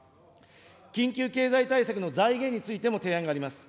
緊急経済対策の財源についても提案があります。